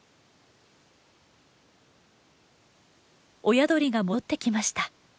親鳥が戻ってきました。